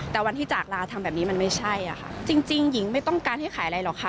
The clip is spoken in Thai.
แต่วันที่จากลาทำแบบนี้มันไม่ใช่อะค่ะจริงหญิงไม่ต้องการให้ขายอะไรหรอกค่ะ